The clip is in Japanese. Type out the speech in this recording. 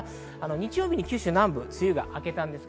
日曜日に九州南部、梅雨が明けました。